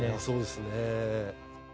そうですね。